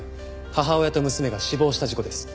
母親と娘が死亡した事故です。